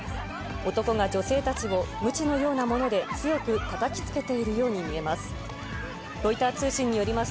男が女性たちをむちのようなもので強くたたきつけているように見えます。